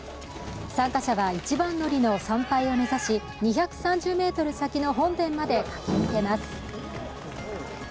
参加者は一番乗りの参拝を目指し、２３０ｍ先の本殿まで駆け抜けます。